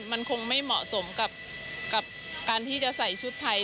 มันคงไม่เหมาะสมกับการที่จะใส่ชุดไทย